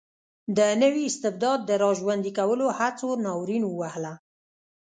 د نوي استبداد د را ژوندي کولو هڅو ناورین ووهله.